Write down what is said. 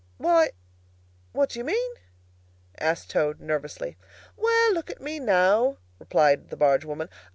"Why, what do you mean?" asked Toad, nervously. "Well, look at me, now," replied the barge woman.